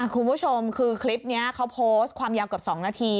คุณผู้ชมคือคลิปนี้เขาโพสต์ความยาวเกือบ๒นาที